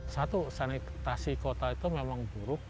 satu sanitasi kota itu memang buruk